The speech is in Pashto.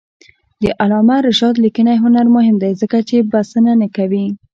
د علامه رشاد لیکنی هنر مهم دی ځکه چې بسنه نه کوي.